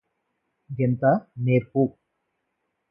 గెంత నేర్పు